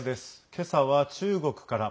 けさは中国から。